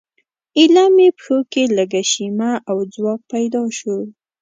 ایله مې پښو کې لږه شیمه او ځواک پیدا شو.